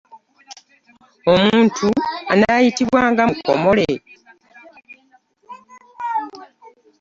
Omuntu ennayayitibwa nga mukomole?